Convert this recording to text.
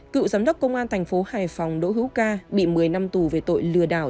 cựu giám đốc công an thành phố hải phòng đỗ hữu ca bị một mươi năm tù về tội lừa đảo